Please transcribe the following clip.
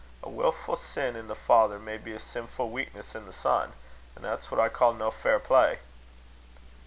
A wilfu' sin in the father may be a sinfu' weakness i' the son; an' that's what I ca' no fair play."